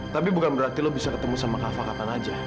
tapi bukan berarti lo bisa ketemu sama kava kapan aja